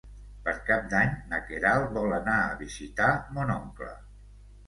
Per Cap d'Any na Queralt vol anar a visitar mon oncle.